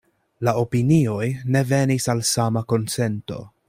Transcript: La opinioj ne venis al sama konsento.